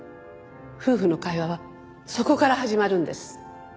夫婦の会話はそこから始まるんです。